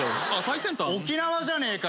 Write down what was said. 沖縄じゃねえかよおい。